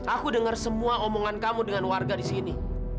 aku denger semua omongan kamu dengan warga disini